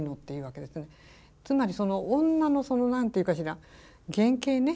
つまり女のその何て言うかしら原形ね